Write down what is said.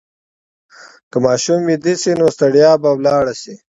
که ماشوم ویده شي، نو ستړیا به لاړه شي.